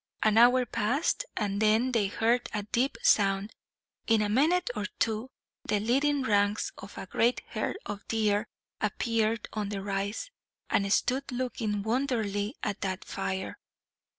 An hour passed, and then they heard a deep sound. In a minute or two the leading ranks of a great herd of deer appeared on the rise, and stood looking wonderingly at the fire.